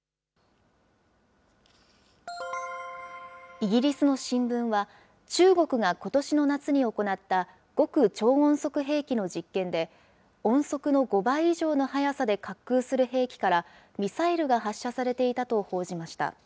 イギリスの新聞は、中国がことしの夏に行った極超音速兵器の実験で、音速の５倍以上の速さで滑空する兵器からミサイルが発射されていたと報じました。